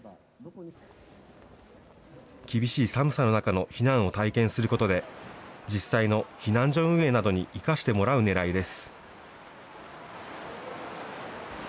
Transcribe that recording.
厳しい寒さの中の避難を体験することで、実際の避難所運営などに生かしてもらうねらいです。